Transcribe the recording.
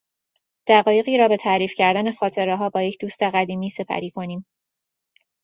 دقایقی را به تعریفکردن خاطرهها با یک دوست قدیمی سپری کنیم.